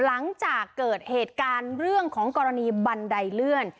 หลังจากเกิดเหตุการณ์เรื่องของกรณีบันไดเลื่อน